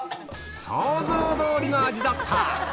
想像通りの味だった！